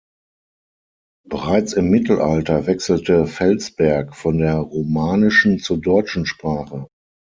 Bereits im Mittelalter wechselte Felsberg von der romanischen zur deutschen Sprache.